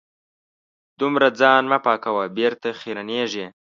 دومره ځان مه پاکوه .بېرته خیرنېږې